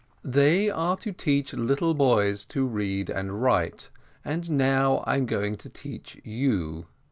"They are to teach little boys to read and write, and now I am going to teach you.